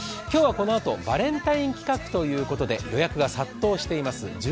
今日は、このあとバレンタイン企画ということで予約が殺到しています